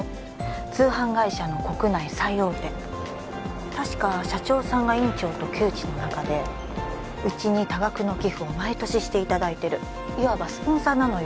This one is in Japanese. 通販会社の国内最大手確か社長さんが院長と旧知の仲でうちに多額の寄付を毎年していただいてるいわばスポンサーなのよ